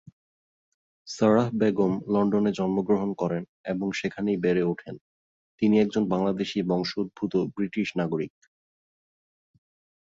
Sarah Begum লন্ডনে জন্মগ্রহণ করেন এবং সেখানেই বেড়ে ওঠেন, তিনি একজন বাংলাদেশি বংশোদ্ভূত ব্রিটিশ নাগরিক।